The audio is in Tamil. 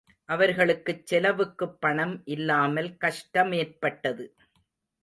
அவர்களுக்குச் செலவுக்குப் பணம் இல்லாமல் கஷ்டமேற்பட்டது.